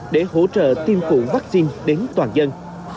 để hỗ trợ tiêm cụ vaccine đến toàn dân